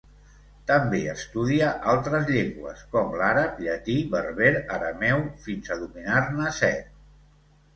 També estudia altres llengües, com l'àrab, llatí, berber, arameu, fins a dominar-ne set.